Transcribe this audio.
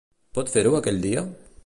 Pot fer-ho aquell dia?